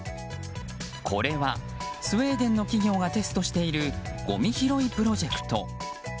これはスウェーデンの企業がテストしているごみ拾いプロジェクト。